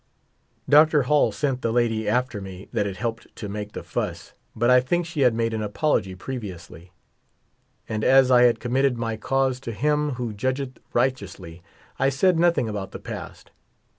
Dr. Hall sent the lady after me that had helped to make the fuss, but I think she had made an apology pre viously. And as I had committed my cause to Him who judgeth righteously, I said nothing about the past.